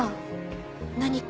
何か。